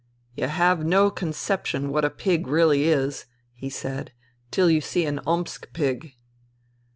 " You have no conception what a pig a pig really is," he said, " till you see an Omsk pig."